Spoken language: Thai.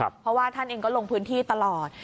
เพราะว่าท่านเองก็ลงพื้นที่ตลอด